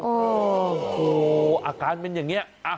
โอ้โหอาการเป็นอย่างนี้